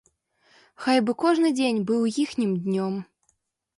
Хай бы кожны дзень быў іхнім днём.